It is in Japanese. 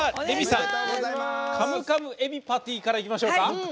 レミさん「カムカムエビパティ」からいきましょうか。